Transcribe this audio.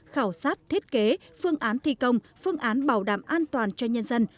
khảo sát thiết kế phương án thi công phương án bảo đảm an toàn cho nhân dân